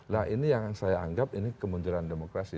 nah ini yang saya anggap ini kemunculan demokrasi